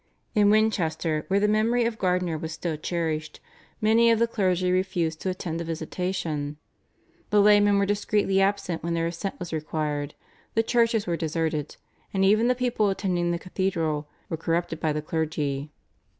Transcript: In Winchester, where the memory of Gardiner was still cherished, many of the clergy refused to attend the visitation; the laymen were discreetly absent when their assent was required; the churches were deserted and even the people attending the cathedral "were corrupted by the clergy."